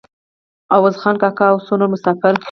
عوض خان کاکا او څو نور مسافر.